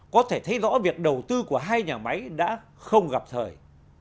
có thể thấy rõ việc đầu tư của hai nhà máy đã không gặp thời